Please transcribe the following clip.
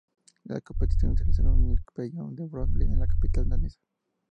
Las competiciones se realizaron en el Pabellón Brøndby de la capital danesa.